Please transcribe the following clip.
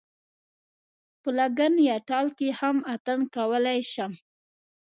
په لګن یا تال کې هم اتڼ کولای شم.